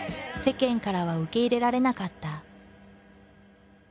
世間からは受け入れられなかった。